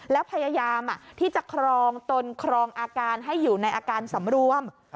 แล้วพยายามที่จะครองตนครองอาการให้อยู่ในอาการสำรวม